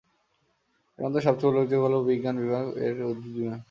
এর মধ্যে সবচেয়ে উল্লেখযোগ্য বিজ্ঞান বিভাগ এর উদ্ভিদ বিজ্ঞান।